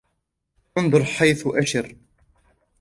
انظر حيث ااشر.